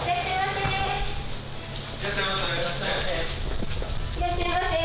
いらっしゃいませ。